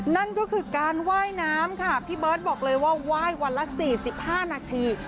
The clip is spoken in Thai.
นั่นก็คือการว่ายน้ำค่ะพี่เบิร์ตบอกเลยว่าไหว้วันละ๔๕นาที